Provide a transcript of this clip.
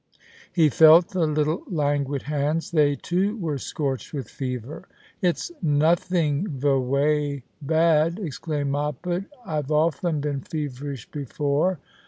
He felt the little languid hands. They too were scorched with fever. " It's nothing veway bad," exclaimed Moppet. '• I've often been feverish before."